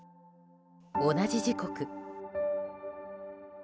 同じ時刻。